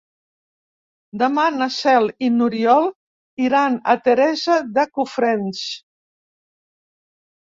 Demà na Cel i n'Oriol iran a Teresa de Cofrents.